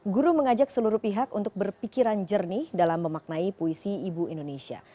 guru mengajak seluruh pihak untuk berpikiran jernih dalam memaknai puisi ibu indonesia